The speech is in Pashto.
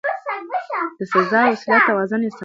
د سزا او اصلاح توازن يې ساته.